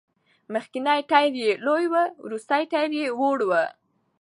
مخکېنی ټایر یې لوی و، وروستی ټایر وړه و.